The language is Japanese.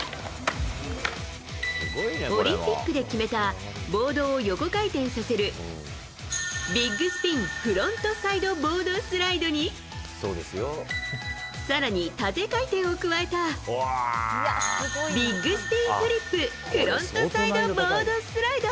オリンピックで決めたボードを横回転させるビッグスピンフロントサイドボードスライドに更に、縦回転を加えたビッグスピンフリップフロントサイドボードスライド。